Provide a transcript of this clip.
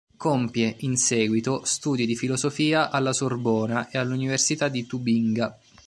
Compie, in seguito, studi di filosofia alla Sorbona e all'Università di Tubinga.